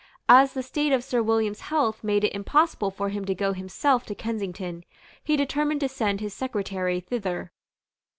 As the state of Sir William's health made it impossible for him to go himself to Kensington, he determined to send his secretary thither.